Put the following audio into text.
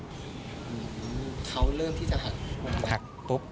อื้มมคือเขาเริ่มที่จะหัก